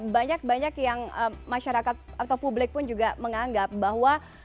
banyak banyak yang masyarakat atau publik pun juga menganggap bahwa